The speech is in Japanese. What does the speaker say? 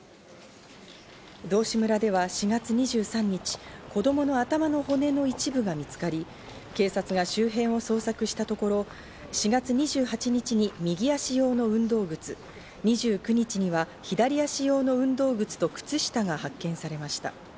道志村では４月２３日、子供の頭の骨の一部が見つかり、警察が周辺を捜索したところ、４月２８日に右足用の運動靴、２９日には左足用の運動靴と靴下が発見されました。